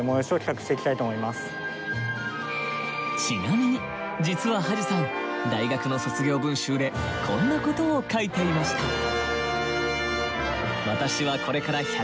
ちなみに実は土師さん大学の卒業文集でこんなことを書いていました。